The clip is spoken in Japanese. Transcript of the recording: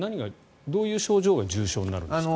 どういう症状が重症になるんですか？